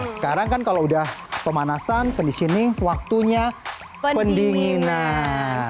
sekarang kan kalau udah pemanasan conditioning waktunya pendinginan